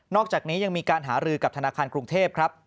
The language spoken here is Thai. อกจากนี้ยังมีการหารือกับธนาคารกรุงเทพครับ